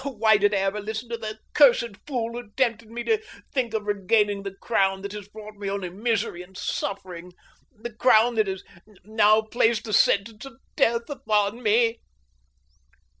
Oh, why did I ever listen to the cursed fool who tempted me to think of regaining the crown that has brought me only misery and suffering—the crown that has now placed the sentence of death upon me."